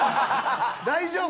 大丈夫？